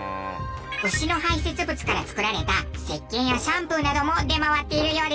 牛の排泄物から作られた石鹸やシャンプーなども出回っているようです。